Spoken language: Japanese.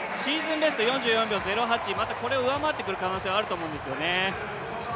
ベスト４４秒０８、またこれを上回ってくる可能性あると思うんですよね。